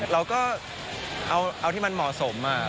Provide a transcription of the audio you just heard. เราก็เอาที่มันเหมาะสม